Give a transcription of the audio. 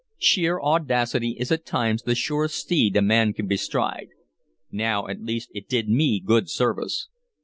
Sheer audacity is at times the surest steed a man can bestride. Now at least it did me good service.